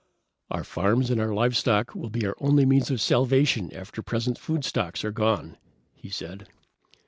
"Our farms and our livestock will be our only means of salvation after present food stocks are gone," he said.